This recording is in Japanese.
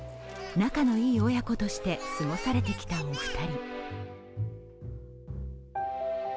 仲の良い父娘として過ごされてきたお二人。